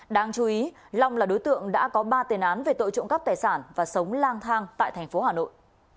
đáng chú ý long là đối tượng đã có ba tiền án về tội trộm cắp tài sản và sống lang thang tại thành phố hà nội